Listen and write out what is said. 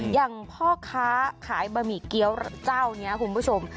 อย่างพ่อค้าขายบะหมี่เกี้ยวเจ้านี้คุณผู้ชม